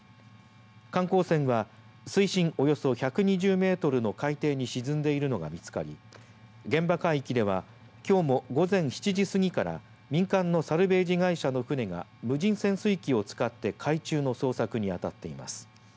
観光船は水深およそ１２０メートルの海底に沈んでいるのが見つかり現場海域では、きょうも午前７時過ぎから民間のサルベージ会社の船が無人潜水機を使って海中の捜索にあたっています。